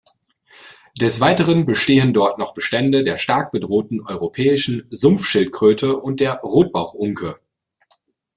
Des Weiteren bestehen dort noch Bestände der stark bedrohten Europäischen Sumpfschildkröte und der Rotbauchunke.